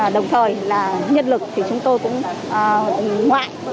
đồng thời là nhân lực thì chúng tôi cũng ủng